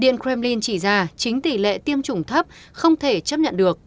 điện kremlin chỉ ra chính tỷ lệ tiêm chủng thấp không thể chấp nhận được